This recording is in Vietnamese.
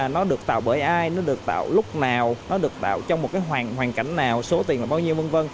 nó được tạo bởi ai nó được tạo lúc nào nó được tạo trong một cái hoàn cảnh nào số tiền là bao nhiêu v v